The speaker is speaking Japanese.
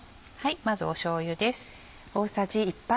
まずしょうゆです。